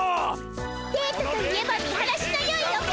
デートといえば見晴らしのよいおか！